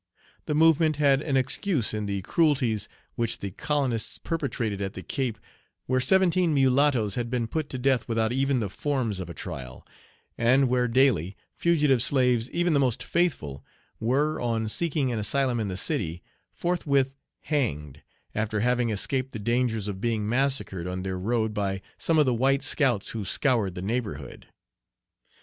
The movement had an excuse in the cruelties which the colonists perpetrated at the Cape, where seventeen mulattoes had been put to death without even the forms of a trial, and where daily, fugitive slaves, even the most faithful, were, on seeking an asylum in the city, forthwith hanged, after having escaped the dangers of being massacred on their road by some of the white scouts who scoured the neighborhood.